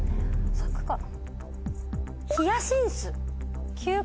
咲くかな？